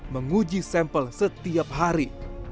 menguji sampel setiap hari